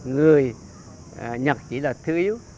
người nhật chỉ là thứ yếu